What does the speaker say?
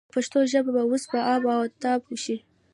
د پښتو ژبه به اوس په آب و تاب شي.